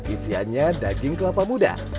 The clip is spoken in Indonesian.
isiannya daging kelapa muda